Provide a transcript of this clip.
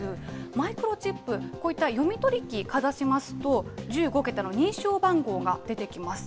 マイクロチップ、こういった読み取り機をかざしますと、１５桁の認証番号が出てきます。